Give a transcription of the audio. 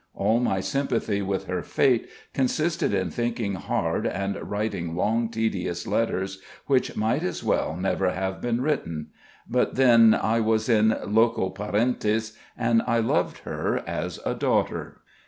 All my sympathy with her fate consisted in thinking hard and writing long tedious letters which might as well never have been written. But then I was in loco parentis and I loved her as a daughter.